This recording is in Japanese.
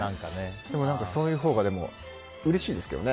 そういうほうがうれしいですけどね。